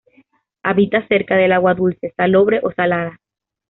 Habita cerca del agua dulce, salobre o salada.